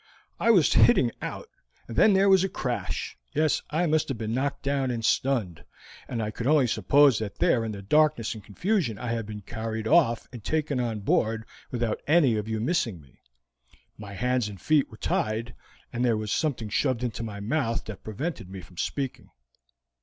I was hitting out, and then there was a crash. Yes, I must have been knocked down and stunned, and I could only suppose that in the darkness and confusion I had been carried off and taken on board without any of you missing me; my hands and feet were tied, and there was something shoved into my mouth that prevented me from speaking.